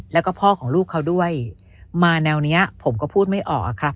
แล้วก็พ่อของลูกเขาด้วยมาแนวเนี้ยผมก็พูดไม่ออกอะครับ